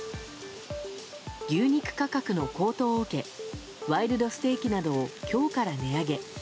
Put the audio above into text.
牛肉価格の高騰を受けワイルドステーキなどを今日から値上げ。